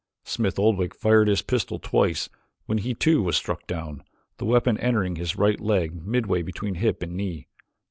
Smith Oldwick fired his pistol twice when he too was struck down, the weapon entering his right leg midway between hip and knee.